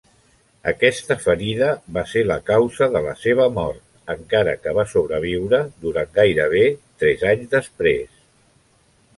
Aquesta ferida va ser la causa la seva mort, encara que va sobreviure durant gairebé tres anys després.